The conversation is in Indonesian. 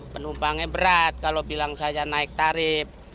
penumpangnya berat kalau bilang saya naik tarif